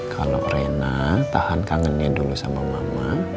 kalau rena tahan kangennya dulu sama mama